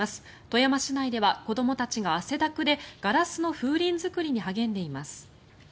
富山市内では子どもたちが汗だくでガラスの風鈴作りに励んでいます。